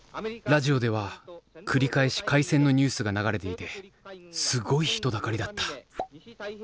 ラジオでは繰り返し開戦のニュースが流れていてすごい人だかりだった。